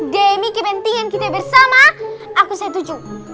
demi kepentingan kita bersama aku saya tuju